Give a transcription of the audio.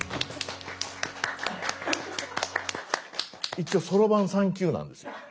一応そろばん３級なんですよ。